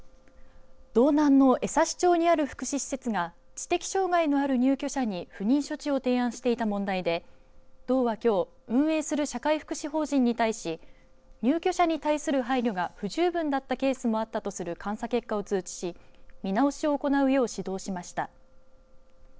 道南の江差町にある福祉施設が知的障害のある入居者に不妊処置を提案していた問題で道はきょう運営する社会福祉法人に対し入居者に対する配慮が不十分だったケースもあったとする監査結果を通知し見直しを行うよう指導しました。